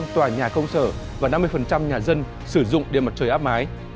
năm mươi tòa nhà công sở và năm mươi nhà dân sử dụng điện mặt trời áp mái